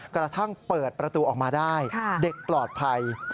กระทั่งเปิดประตูออกมาได้เด็กปลอดภัย